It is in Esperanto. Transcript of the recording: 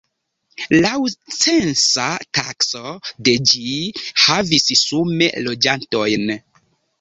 Laŭ censa takso de ĝi havis sume loĝantojn.